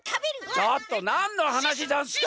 ちょっとなんのはなしざんすか？